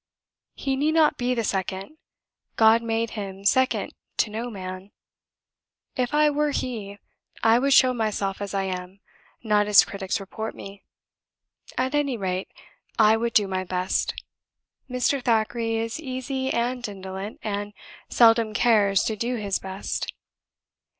He need not be the second. God made him second to no man. If I were he, I would show myself as I am, not as critics report me; at any rate, I would do my best. Mr. Thackeray is easy and indolent, and seldom cares to do his best.